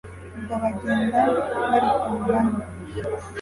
ubwo bagenda bari ku ngamba